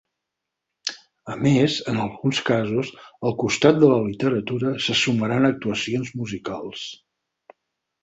A més, en alguns casos, al costat de la literatura se sumaran actuacions musicals.